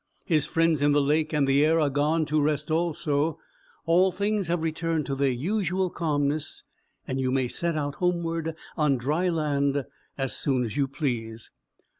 His friends in the lake and the air are gone to rest also; all things have returned to their usual calmness; and you may set out homeward on dry land, as soon as you please."